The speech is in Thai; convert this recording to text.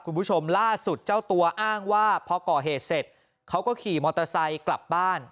คุณผู้ชมล่าสุดเจ้าตัวอ้างว่าพอก่อเหตุเสร็จเขาก็ขี่มอเตอร์ไซค์กลับบ้าน